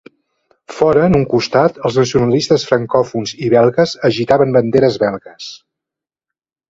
Fora en un costat els nacionalistes francòfons i belgues agitaven banderes belgues.